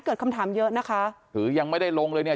เกิดคำถามเยอะนะคะถือยังไม่ได้ลงเลยเนี่ย